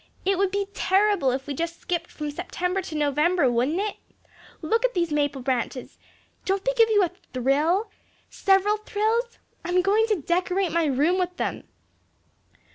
It would be terrible if we just skipped from September to November, wouldn't it? Look at these maple branches. Don't they give you a thrill several thrills? I'm going to decorate my room with them."